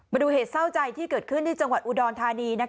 มาดูเหตุเศร้าใจที่เกิดขึ้นที่จังหวัดอุดรธานี